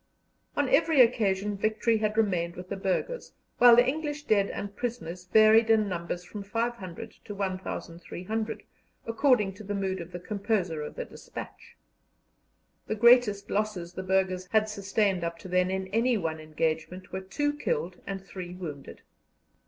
On every occasion victory had remained with the burghers, while the English dead and prisoners varied in numbers from 500 to 1,300, according to the mood of the composer of the despatch. The greatest losses the burghers had sustained up to then in any one engagement were two killed and three wounded.